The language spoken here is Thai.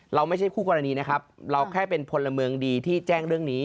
ไม่ใช่คู่กรณีนะครับเราแค่เป็นพลเมืองดีที่แจ้งเรื่องนี้